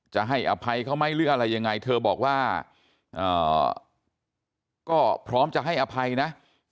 จะให้อภัยเขาไหมหรืออะไรยังไงเธอบอกว่าก็พร้อมจะให้อภัยนะ